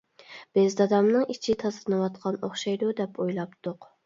بىز دادامنىڭ ئىچى تازىلىنىۋاتقان ئوخشايدۇ دەپ ئويلاپتۇق.